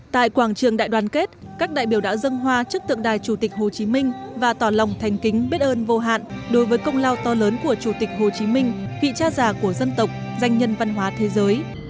tại quảng trường đại đoàn kết các đại biểu đã dâng hoa chức tượng đài chủ tịch hồ chí minh và tỏ lòng thành kính biết ơn vô hạn đối với công lao to lớn của chủ tịch hồ chí minh vị cha già của dân tộc danh nhân văn hóa thế giới